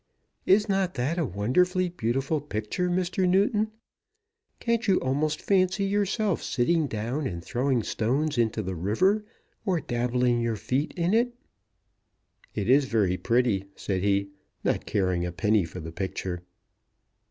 Is not that a wonderfully beautiful picture, Mr. Newton? Can't, you almost fancy yourself sitting down and throwing stones into the river, or dabbling your feet in it?" "It is very pretty," said he, not caring a penny for the picture.